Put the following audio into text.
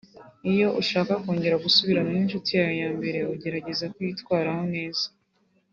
Iyo ushaka kongera gusubirana n’inshuti yawe yambere ugerageza kuyitwaraho neza